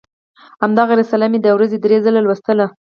همدغه رساله مې د ورځې درې ځله لوستله.